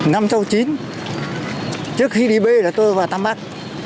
năm sau chín trước khi đi b là tôi vào tâm bác